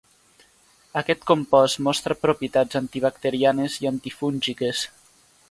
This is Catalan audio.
Aquest compost mostra propietats antibacterianes i antifúngiques.